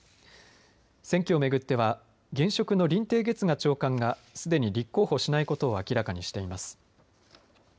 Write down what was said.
選挙をめぐっては現職の林鄭月娥長官がすでに立候補しないことを明らかにしています。